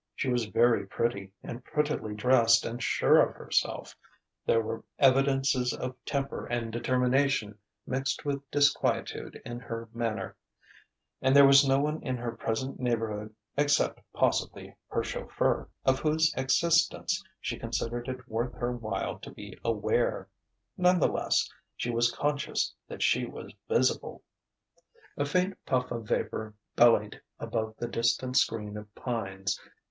She was very pretty and prettily dressed and sure of herself; there were evidences of temper and determination mixed with disquietude in her manner; and there was no one in her present neighbourhood (except possibly her chauffeur) of whose existence she considered it worth her while to be aware. None the less, she was conscious that she was visible. ... A faint puff of vapour bellied above the distant screen of pines.